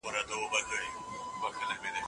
موږ باید د ځنګل له خوږو مېوو څخه ګټه واخلو.